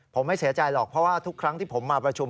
ผมไม่เสียใจหรอกเพราะว่าทุกครั้งที่ผมมาประชุม